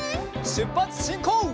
しゅっぱつしんこう！